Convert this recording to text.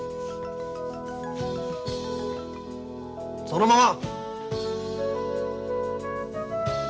そのまま。